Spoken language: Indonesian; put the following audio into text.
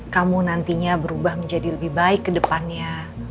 kamu nantinya berubah menjadi lebih baik ke depannya